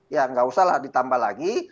ya nggak usah lah ditambah lagi